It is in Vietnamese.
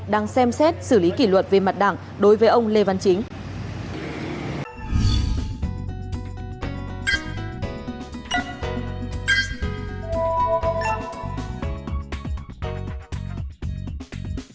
đang xem xét xử lý kỷ luật về mặt đảng đối với ông lê văn chính